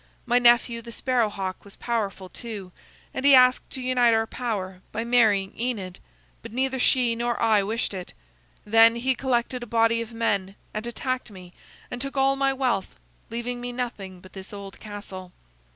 My nephew, the Sparrow hawk, was powerful, too, and he asked to unite our power by marrying Enid, but neither she nor I wished it. Then he collected a body of men and attacked me, and took all my wealth, leaving me nothing but this old castle."